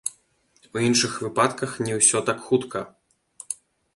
У іншых выпадках не ўсё так хутка.